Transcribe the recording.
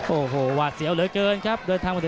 โอ้โหวาเสียเหลือเกินครับ